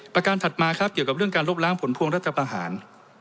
ประการถัดมาครับเกี่ยวกับเรื่องการลบล้างผลพวงรัฐประหาร